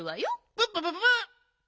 プップププ！